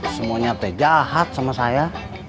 semuanya teh jahat sama saya